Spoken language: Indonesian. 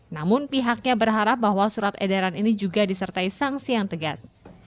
namun pihaknya berharap bahwa surat edaran ini juga disertai sanksi yang tegas